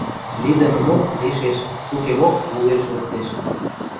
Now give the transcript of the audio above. Лидӹмӹмок – лишеш, укемок – улеш лыктеш.